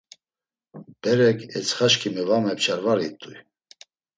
Berek etsxaşǩimi var mepçar var it̆uy.